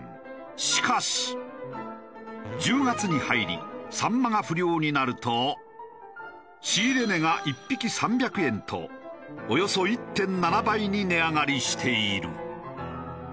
しかし１０月に入りサンマが不漁になると仕入れ値が１匹３００円とおよそ１．７倍に値上がりしている。